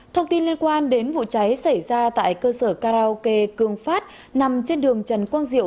thông tin liên quan đến vụ cháy xảy ra tại cơ sở karaoke cương phát nằm trên đường trần quang diệu